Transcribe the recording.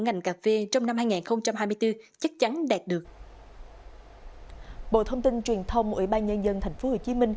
ngành cà phê trong năm hai nghìn hai mươi bốn chắc chắn đạt được bộ thông tin truyền thông ủy ban nhân dân tp hcm